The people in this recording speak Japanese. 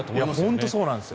本当にそうなんですよ。